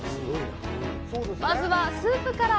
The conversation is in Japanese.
まずはスープから！